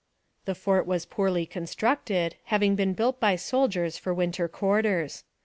The fort was poorly constructed, having been built by soldiers for winter quarters.